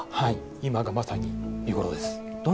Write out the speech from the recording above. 今がまさに見頃です。